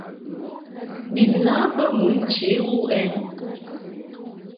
Bi lâ bə mɨ nche wuʼ ɛ ?